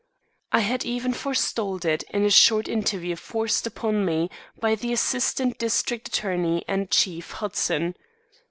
I had even forestalled it in a short interview forced upon me by the assistant district attorney and Chief Hudson.